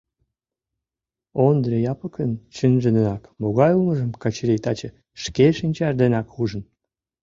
Ондри Япыкын чынже денак могай улмыжым Качырий таче шке шинчаж денак ужын.